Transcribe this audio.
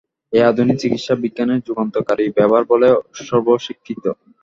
এটি আধুনিক চিকিৎসা বিজ্ঞানের যুগান্তকারী ব্যবহার বলে সর্বস্বীকৃত।